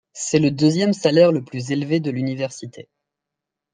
C'est le deuxième salaire le plus élevé de l'université.